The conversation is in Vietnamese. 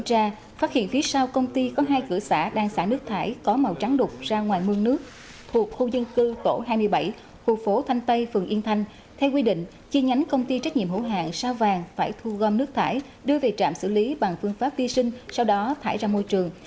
thuộc khu dân cư cổ hai mươi bảy khu phố thanh tây phường yên thanh theo quy định chi nhánh công ty trách nhiệm hữu hàng sao vàng phải thu gom nước thải đưa về trạm xử lý bằng phương pháp vi sinh sau đó thải ra môi trường